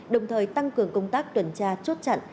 đồng thời tăng cường công tác tuần tra chốt chặn